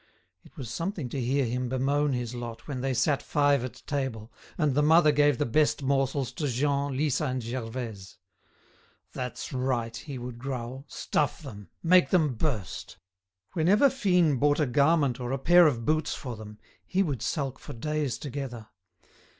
It was something to hear him bemoan his lot when they sat five at table, and the mother gave the best morsels to Jean, Lisa, and Gervaise. "That's right," he would growl; "stuff them, make them burst!" Whenever Fine bought a garment or a pair of boots for them, he would sulk for days together.